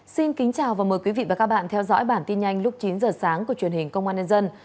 xin kính chào và mời quý vị và các bạn theo dõi bản tin nhanh lúc chín giờ sáng của truyền hình công an nhân dân